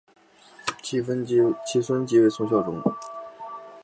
其孙即为宋孝宗。